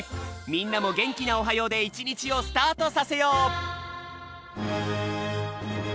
みんなもげんきなおはようでいちにちをスタートさせよう！